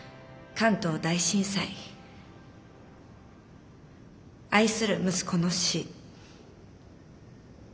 関東大震災愛する息子の死戦争。